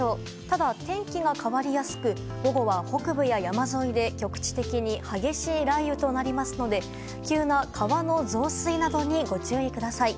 ただ、天気が変わりやすく午後は北部や山沿いで局地的に激しい雷雨となりますので急な川の増水などにご注意ください。